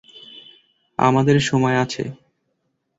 আমাদের সময় আছে।